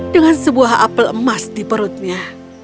dengan sebuah apel emas di perutnya